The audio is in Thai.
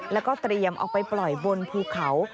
แล้วก็เตรียมเอาไปปล่อยบนภูเขา